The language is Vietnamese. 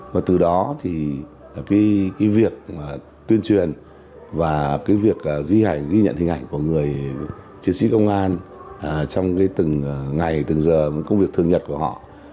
và từ đó thì cái việc tuyên truyền và cái việc ghi nhận hình ảnh của người chiến sĩ công an trong từng ngày từng giờ công việc thường nhật của họ